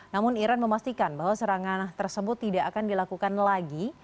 namun iran memastikan bahwa serangan tersebut tidak akan dilakukan lagi